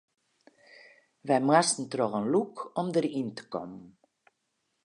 Wy moasten troch in lûk om deryn te kommen.